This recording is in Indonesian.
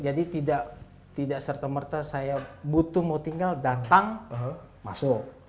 jadi tidak serta merta saya butuh mau tinggal datang masuk